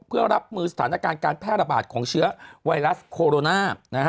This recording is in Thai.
เพื่อรับมือสถานการณ์การแพร่ระบาดของเชื้อไวรัสโคโรนานะฮะ